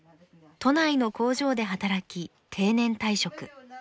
都内の工場で働き定年退職。